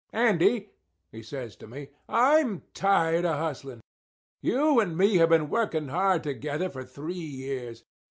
"Andy," he says to me, "I'm tired of hustling. You and me have been working hard together for three years.